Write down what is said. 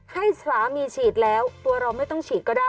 ให้สามีฉีดแล้วตัวเราไม่ต้องฉีดก็ได้